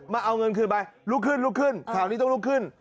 มาเอาเงินคืนไปลุกขึ้นลุกขึ้นคราวนี้ต้องลุกขึ้น